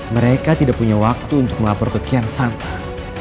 mereka tidak punya waktu untuk melapor ke kian santan